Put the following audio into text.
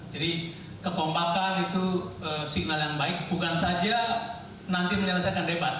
jadi kekompakan itu signal yang baik bukan saja nanti menyelesaikan debat